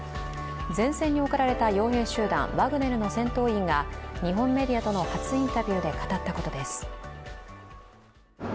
前線に送られたよう兵集団ワグネルの戦闘員が日本メディアとの初インタビューで語ったことです。